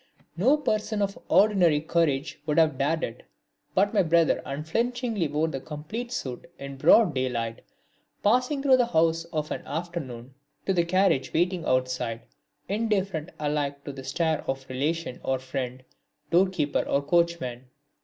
No person of ordinary courage could have dared it, but my brother unflinchingly wore the complete suit in broad day light, passing through the house of an afternoon to the carriage waiting outside, indifferent alike to the stare of relation or friend, door keeper or coachman.